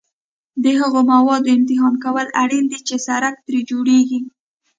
د هغو موادو امتحان کول اړین دي چې سړک ترې جوړیږي